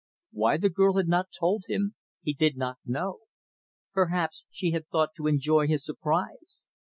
Why the girl had not told him, he did not know. Perhaps she had thought to enjoy his surprise.